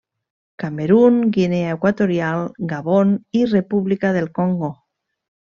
Camerun, Guinea Equatorial, Gabon i República del Congo.